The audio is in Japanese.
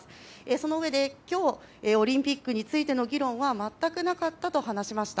そのうえで、今日オリンピックについての議論は全くなかったと話しました。